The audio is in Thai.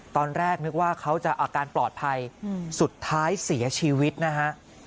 ตอนแรกนึกว่าเขาจะอาการปลอดภัยสุดท้ายเสียชีวิตนะฮะ